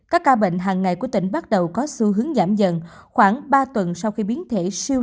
các ca bệnh hàng ngày của tỉnh bắt đầu có xu hướng giảm dần khoảng ba tuần sau khi biến thể siêu